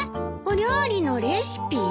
お料理のレシピ？